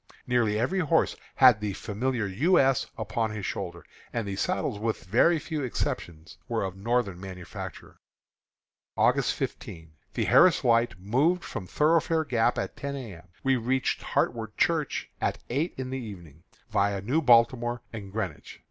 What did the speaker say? Nearly every horse had the familiar "U. S." upon his shoulder; and the saddles, with very few exceptions, were of Northern manufacture. August 15. The Harris Light moved from Thoroughfare Gap at ten A. M. We reached Hartwood Church at eight in the evening, viâ New Baltimore and Greenwich.